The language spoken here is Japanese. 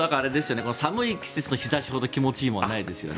寒い季節の日差しほど気持ちいいものはないですよね。